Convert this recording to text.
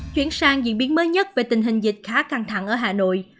chuyển sang diễn biến mới nhất về tình hình dịch khá căng thẳng ở hà nội